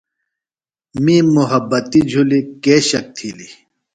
می مُحبتی جُھلیۡ کے شک تِھیلیۡ